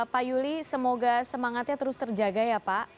pak yuli semoga semangatnya terus terjaga ya pak